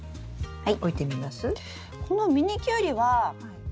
はい。